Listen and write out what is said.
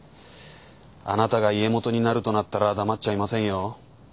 あなたが家元になるとなったら黙っちゃいませんよ。